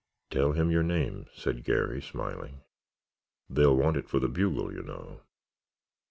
"Tell him your name," said Garry, smiling, "They'll want it for the bugle, you know."